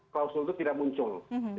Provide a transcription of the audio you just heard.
klausul itu tidak muncul